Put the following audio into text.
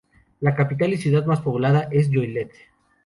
La capital y ciudad más poblada es Joliette.